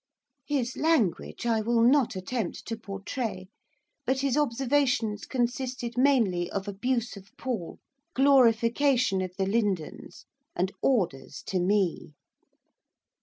His language I will not attempt to portray, but his observations consisted, mainly, of abuse of Paul, glorification of the Lindons, and orders to me.